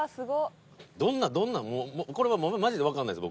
どんなどんなんこれはマジで分かんないです